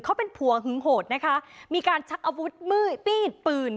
เขาเป็นผัวหึงโหดนะคะมีการชักอาวุธมือมีดปืน